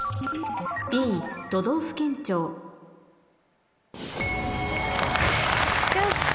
Ｂ「都道府県庁」よし。